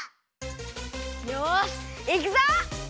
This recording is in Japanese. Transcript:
よしいくぞ！